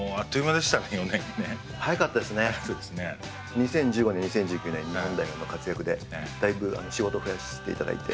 ２０１５年２０１９年日本代表の活躍でだいぶ仕事増やしていただいて。